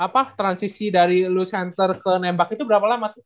apa transisi dari low center ke nembak itu berapa lama tuh